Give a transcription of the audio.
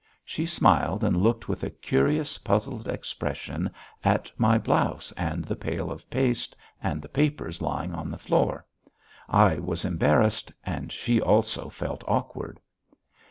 She smiled and looked with a curious puzzled expression at my blouse and the pail of paste and the papers lying on the floor; I was embarrassed and she also felt awkward.